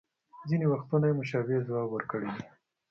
ځینې وختونه یې مشابه ځواب ورکړی دی